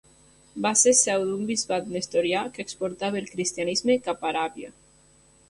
Va ser seu d'un bisbat nestorià que exportava el cristianisme cap a Aràbia.